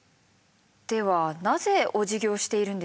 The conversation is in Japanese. ではなぜおじぎをしているんでしょうか？